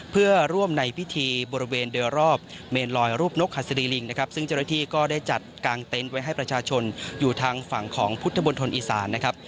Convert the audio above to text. เพื่อร่วมในพิธีบริเวณโดยรอบเมนลอยรูปนกหัสดีลิงนะครับซึ่งเจ้าหน้าที่ก็ได้จัดกางเต็นต์ไว้ให้ประชาชนอยู่ทางฝั่งของพุทธมนตรอีสานนะครับ